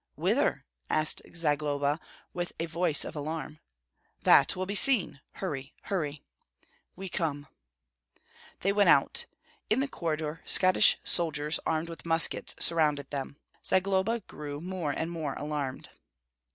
"Whither?" asked Zagloba, with a voice of alarm. "That will be seen. Hurry, hurry!" "We come." They went out. In the corridor Scottish soldiers armed with muskets surrounded them. Zagloba grew more and more alarmed.